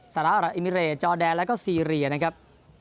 สหรัฐอิมิเรจอแดนแล้วก็ซีเรียนะครับ